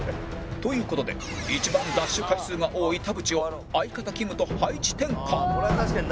という事で一番ダッシュ回数が多い田渕を相方きむと配置転換